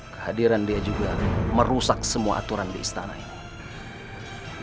kehadiran dia juga merusak semua aturan di istana ini